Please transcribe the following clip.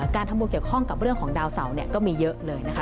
การทำบุญเกี่ยวข้องกับเรื่องของดาวเสาเนี่ยก็มีเยอะเลยนะคะ